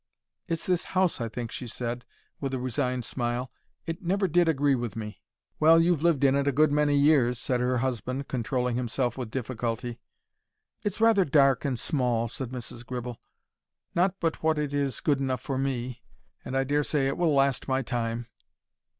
"It's this house, I think," she said, with a resigned smile. "It never did agree with me. "Well, you've lived in it a good many years," said her husband, controlling himself with difficulty. "It's rather dark and small," said Mrs. Gribble. "Not but what it is good enough for me. And I dare say it will last my time."